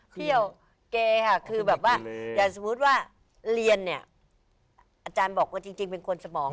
เที่ยวเกค่ะคือแบบว่าอย่างสมมุติว่าเรียนเนี่ยอาจารย์บอกว่าจริงเป็นคนสมอง